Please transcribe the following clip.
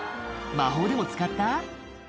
魔法でも使った？